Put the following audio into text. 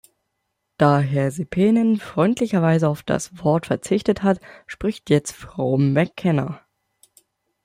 Da Herr Seppänen freundlicherweise auf das Wort verzichtet hat, spricht jetzt Frau McKenna.